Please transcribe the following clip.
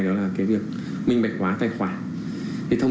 đó là cái việc minh bạch hóa tài khoản